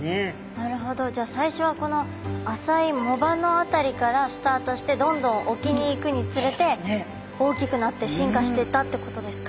なるほどじゃあ最初はこの浅い藻場の辺りからスタートしてどんどん沖に行くにつれて大きくなって進化してったってことですか？